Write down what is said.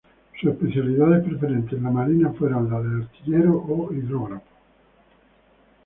Sus especialidades preferentes en la Marina fueron la de artillero e hidrógrafo.